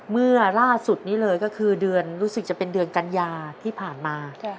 เมื่อล่าสุดนี้เลยก็คือเดือนรู้สึกจะเป็นเดือนกัญญาที่ผ่านมา